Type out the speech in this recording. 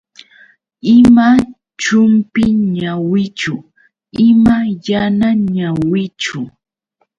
Ima chumpi ñawichu, ima yana ñawichu.